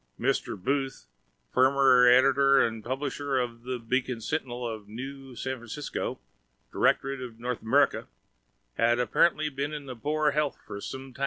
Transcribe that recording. Mr. Booth, formr ditor and publishr of th Bacon Sntinl of Nw San Francisco, Dirctorat of North Amrica, had apparntly bn in poor helth for som tim.